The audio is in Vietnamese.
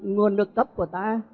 nguồn nước cấp của ta